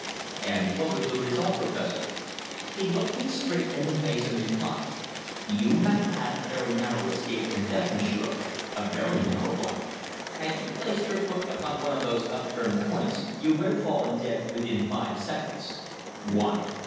"And what was the result, Professor?" He looked me straight in the face, and replied: "You have had a very narrow escape from death, monsieur a very narrow one. Had you placed your foot upon one of those upturned points you would have fallen dead within five seconds!" "Why?"